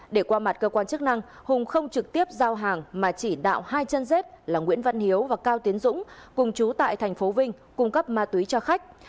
để qua mặt cơ quan chức năng hùng không trực tiếp giao hàng mà chỉ đạo hai chân dép là nguyễn văn hiếu và cao tiến dũng cùng trú tại thành phố vinh cung cấp ma túy cho khách